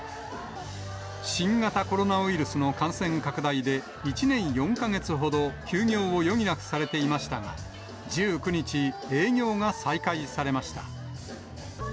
新型コロナウイルスの感染拡大で１年４か月ほど休業を余儀なくされていましたが、１９日、営業が再開されました。